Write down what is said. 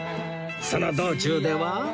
その道中では